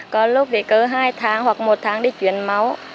có lúc về cơ hai tháng hoặc một tháng đi chuyển máu